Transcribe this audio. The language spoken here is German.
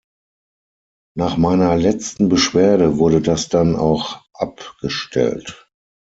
Nach meiner letzten Beschwerde wurde das dann auch abgestellt.